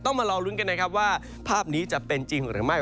มารอลุ้นกันนะครับว่าภาพนี้จะเป็นจริงหรือไม่